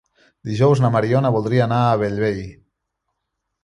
Dijous na Mariona voldria anar a Bellvei.